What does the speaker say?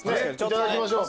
いただきましょう。